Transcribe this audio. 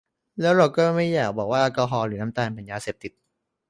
แล้วเราก็ไม่อยากบอกว่าแอลกอฮอล์ หรือน้ำตาล เป็นยาเสพติด